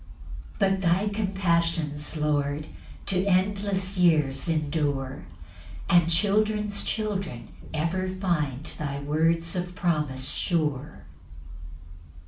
8 But thy compassions, Lord, To endless years endure; And children's children ever find Thy words of promise sure.